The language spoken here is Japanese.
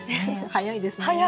早いですね。